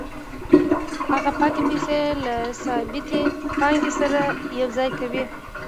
هغه پاتې پیسې له ثابتې پانګې سره یوځای کوي